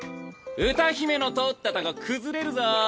歌姫の通ったとこ崩れるぞ。